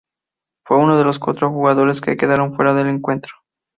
Fue uno de los cuatro jugadores que quedaron fuera del encuentro.